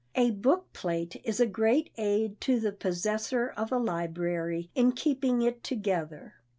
A book plate is a great aid to the possessor of a library in keeping it together.